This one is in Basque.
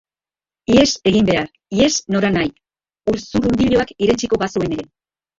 Ihes egin behar, ihes noranahi, ur-zurrunbiloak irentsiko bazuen ere.